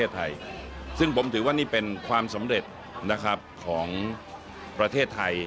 ซึ่งผมถือว่านี่เป็นความสำเร็จนะครับของประเทศไทย